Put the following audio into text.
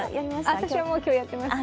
私は今日やってません。